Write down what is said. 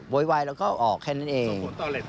โวยวายแล้วก็ออกแค่นั้นเอง